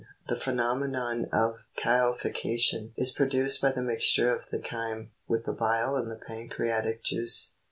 The phenomenon of chylification is produced by the mixture of the chyme, with the bile and the pancre atic juice.